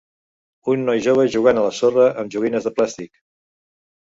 Un noi jove jugant a la sorra amb joguines de plàstic.